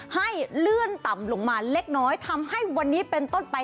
ให้เลื่อนต่ำลงมาเล็กน้อยทำให้วันนี้เป็นต้นไป